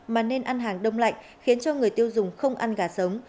mà nên ăn hàng đông lạnh khiến cho người tiêu dùng không ăn gà sống